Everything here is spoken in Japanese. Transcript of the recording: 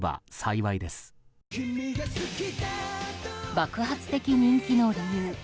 爆発的人気の理由。